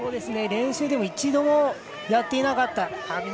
練習でも一度もやっていなかった。